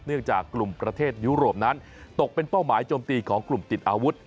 จากกลุ่มประเทศยุโรปนั้นตกเป็นเป้าหมายโจมตีของกลุ่มติดอาวุธ